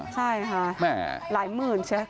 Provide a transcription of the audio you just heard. ใช่ค่ะหลายหมื่นใช่ไหม